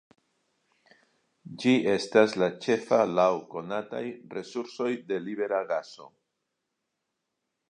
Ĝi estas la ĉefa laŭ konataj resursoj de libera gaso.